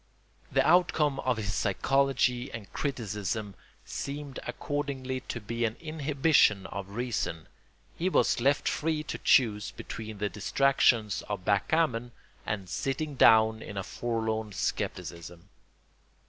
The outcome of his psychology and criticism seemed accordingly to be an inhibition of reason; he was left free to choose between the distractions of backgammon and "sitting down in a forlorn scepticism."